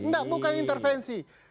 tidak bukan intervensi